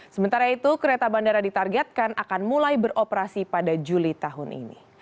sementara itu kereta bandara ditargetkan akan mulai beroperasi pada juli tahun ini